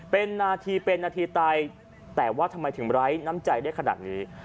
เป็นนาทีเป็นนาทีตายแต่ว่าทำไมถึงไร้น้ำใจได้ขนาดนี้